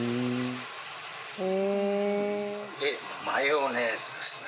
宮川：マヨネーズですね。